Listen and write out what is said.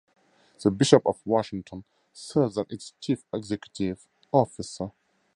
The Bishop of Washington serves as its Chief Executive Officer.